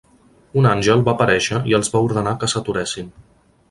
Un àngel va aparèixer i els va ordenar que s'aturessin.